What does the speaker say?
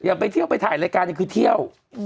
โอ้อยากไปเที่ยวไปถ่ายรายการนี่คือเที่ยว